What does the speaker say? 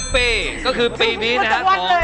๑ปีก็คือปีนี้นะฮะ๒๐๕๒๕๕๙๒๕๕๙